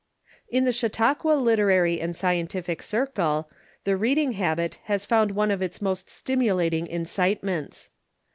* In the Chautauqua Literary and Scientific Circle the read ing habit has found one of its most stimulating incitements.